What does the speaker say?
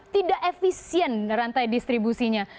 tidak efisien rantai distribusinya